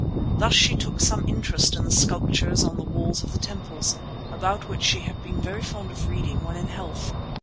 Thus she took some interest in the sculptures on the walls of the temples, about which she had been very fond of reading when in health.